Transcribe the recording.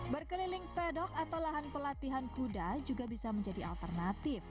berkeliling pedok atau lahan pelatihan kuda juga bisa menjadi alternatif